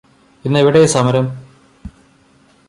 ഇന്നെവിടെയാ സമരം?